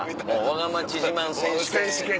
わが町自慢選手権！